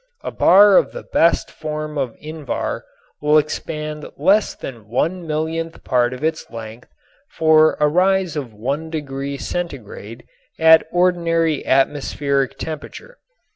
A bar of the best form of invar will expand less than one millionth part of its length for a rise of one degree Centigrade at ordinary atmospheric temperature.